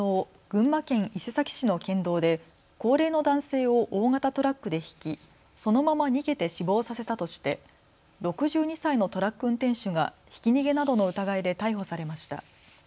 群馬県伊勢崎市の県道で高齢の男性を大型トラックでひき、そのまま逃げて死亡させたとして６２歳のトラック運転手がひき逃げなどの疑いで逮捕されました。